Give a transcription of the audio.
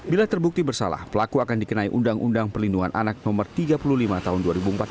bila terbukti bersalah pelaku akan dikenai undang undang perlindungan anak no tiga puluh lima tahun dua ribu empat belas